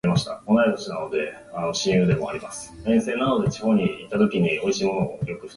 北海道小清水町